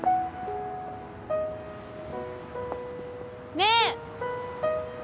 ねえ！